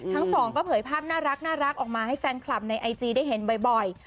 ทั้งสองก็เผยภาพน่ารักออกมาให้แฟนคลับในไอจีได้เห็นบ่อย